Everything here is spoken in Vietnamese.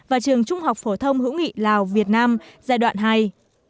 và trường trung học phổ thông hữu nghị lào việt nam giai đoạn hai